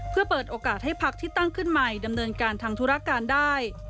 เพื่อเปิดโอกาสให้พักที่ตั้งขึ้นใหม่ดำเนินการทางธุรการได้